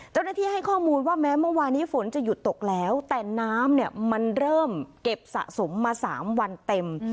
เจ้าหน้าที่ให้ข้อมูลว่าแม้เมื่อวานนี้ฝนจะหยุดตกแล้วแต่น้ำเนี่ยมันเริ่มเก็บสะสมมา๓วันเต็ม